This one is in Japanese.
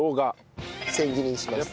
千切りにします。